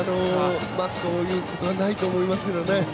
そういうことはないと思いますけどね。